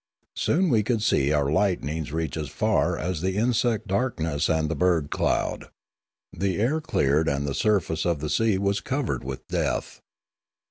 Soon we could see our lightnings reach as far as the insect darkness and the bird cloud. The air cleared and the surface of the sea was covered with death.